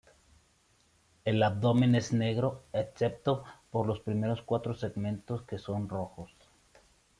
El abdomen es negro, excepto por los primeros cuatros segmentos que son rojos.